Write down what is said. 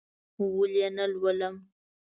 ولې یې نه لولم؟!